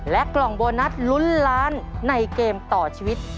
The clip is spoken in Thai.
กล่องโบนัสลุ้นล้านในเกมต่อชีวิต